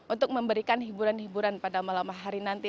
untuk memberikan hiburan hiburan pada malam hari nanti